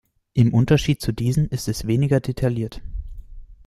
Im Unterschied zu diesen ist es weniger detailliert.